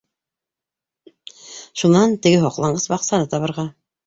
— Шунан —теге һоҡланғыс баҡсаны табырға.